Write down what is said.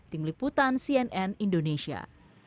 tim liputan cnn indonesia